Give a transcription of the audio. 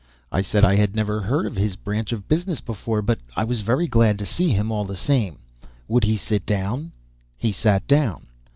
I said I had never heard of his branch of business before, but I was very glad to see him all the same. Would he sit down? He sat down.